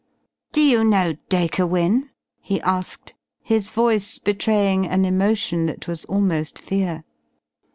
"Do you know Dacre Wynne?" he asked, his voice betraying an emotion that was almost fear.